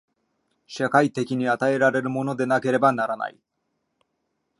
社会的に与えられるものでなければならない。